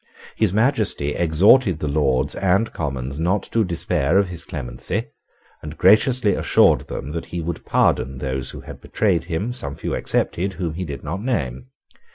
His Majesty exhorted the Lords and Commons not to despair of his clemency, and graciously assured them that he would pardon those who had betrayed him, some few excepted, whom he did not name.